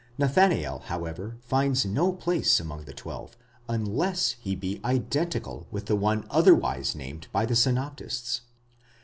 Nathanael, however, finds no place among the twelve, unless he be identical with one otherwise named by the synoptists.